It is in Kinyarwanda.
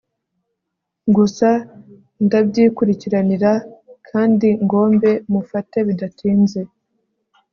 gusa ndabyikurikiranira kandi ngombe mufate bidatinze